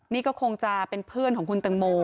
นี่ก็คงจะเป็นเพื่อนของคุณตังโม